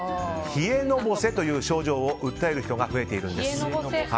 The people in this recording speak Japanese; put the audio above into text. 冷えのぼせという症状を訴える人が増えているんです。